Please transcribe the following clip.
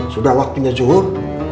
sudah waktunya zuhur